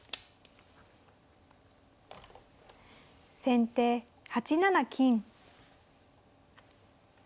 先手８七金。